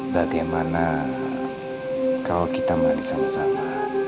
bagaimana kalau kita manis sama sama